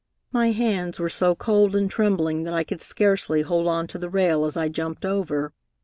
"My hands were so cold and trembling that I could scarcely hold on to the rail as I jumped over.